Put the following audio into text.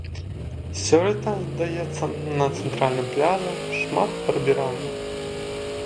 Сёлета, здаецца, на цэнтральным пляжы, шмат прыбіральняў.